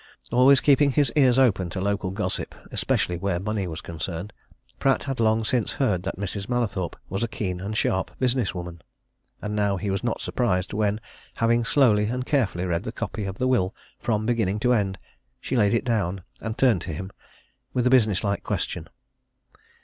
Always keeping his ears open to local gossip, especially where money was concerned, Pratt had long since heard that Mrs. Mallathorpe was a keen and sharp business woman. And now he was not surprised when, having slowly and carefully read the copy of the will from beginning to end, she laid it down, and turned to him with a business like question.